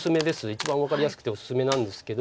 一番分かりやすくておすすめなんですけど。